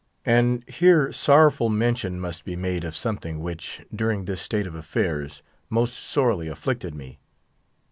And here sorrowful mention must be made of something which, during this state of affairs, most sorely afflicted me.